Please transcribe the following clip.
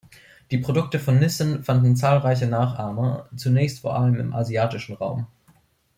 Die Produkte von Nissin fanden zahlreiche Nachahmer, zunächst vor allem im asiatischen Raum.